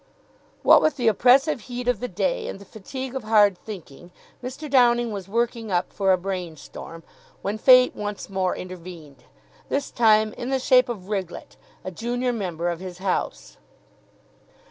What with the oppressive heat of the day and the fatigue of hard thinking, Mr. Downing was working up for a brain storm, when Fate once more intervened, this time in the shape of Riglett, a junior member of his house.